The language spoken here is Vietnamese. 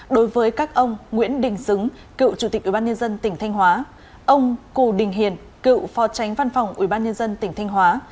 đối với các ông nguyễn đình dứng cựu chủ tịch ubnd tỉnh thanh hóa ông cù đình hiền cựu phó tránh văn phòng ubnd tỉnh thanh hóa